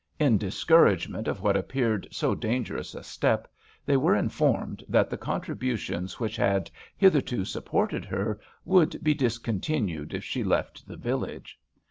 In discouragement of what appeared so dangerous a step, they were informed that the contributions which had hitherto supported her would be dis continued if she left the village.